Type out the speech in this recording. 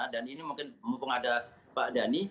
dan ini mungkin mumpung adalah pak dhani